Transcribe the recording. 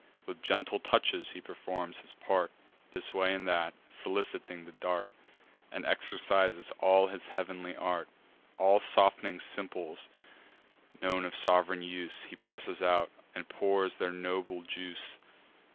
With gentle touches he performs his part, This way and that, soliciting the dart, And exercises all his heav'nly art. All soft'ning simples, known of sov'reign use, He presses out, and pours their noble juice.